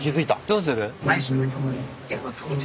どうする？